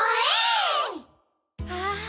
ああ。